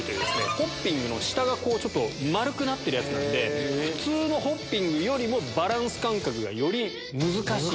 ホッピングの下が丸くなってるやつなんで普通のホッピングよりもバランス感覚がより難しい。